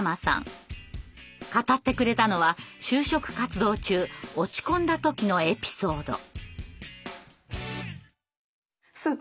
語ってくれたのは就職活動中落ち込んだ時のエピソード。